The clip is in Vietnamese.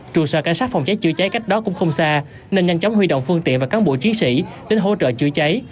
trụ sở cảnh sát phòng cháy chữa cháy cách đó cũng không xa nên nhanh chóng huy động phương tiện và cán bộ chiến sĩ đến hỗ trợ chữa cháy